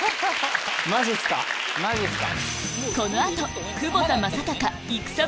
マジっすか⁉マジっすか⁉